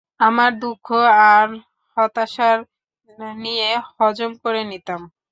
আমরা দুঃখ আর হতাশার নিয়ে হজম করে নিতাম।